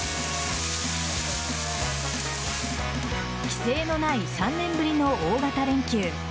規制のない３年ぶりの大型連休。